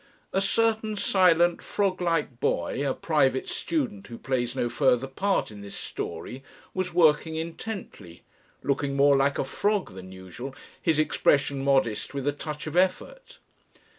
A certain silent frog like boy, a private student who plays no further part in this story, was working intently, looking more like a frog than usual his expression modest with a touch of effort.